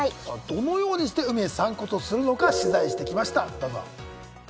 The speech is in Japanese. どのようにして海へ散骨するのか取材してきました。